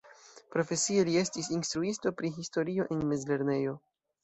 Profesie li estis instruisto pri historio en mezlernejo.